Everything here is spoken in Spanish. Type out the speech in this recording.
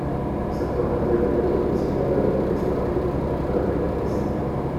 Es actualmente el Director Principal de la Orquesta Filarmónica de Budapest.